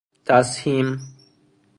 تسهیم